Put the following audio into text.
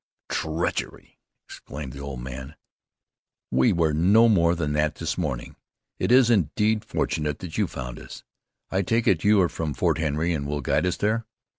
"Treachery!" exclaimed the old man. "We were no more than that this morning. It is indeed fortunate that you found us. I take it you are from Fort Henry, and will guide us there?